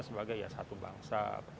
sebagai ya satu bangsa